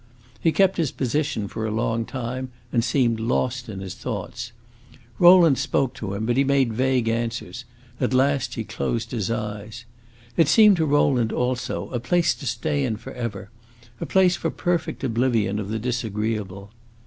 He kept his position for a long time and seemed lost in his thoughts. Rowland spoke to him, but he made vague answers; at last he closed his eyes. It seemed to Rowland, also, a place to stay in forever; a place for perfect oblivion of the disagreeable.